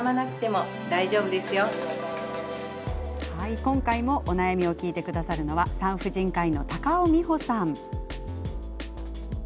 今回お悩みを聞いてくれるのは産婦人科医の高尾美穂さん。